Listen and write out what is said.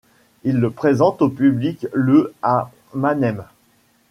Il le présente au public le à Mannheim.